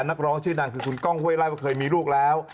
นักร้องชื่อดังคือคุณก้องห้วยไล่ว่าเคยมีลูกแล้ว